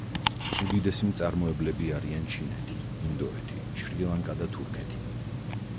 უდიდესი მწარმოებლები არიან ჩინეთი, ინდოეთი, შრი-ლანკა და თურქეთი.